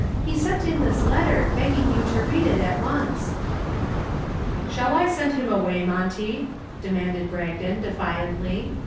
He sent in this letter, begging you to read it at once." "Shall I send him away, Monty?" demanded Bragdon, defiantly.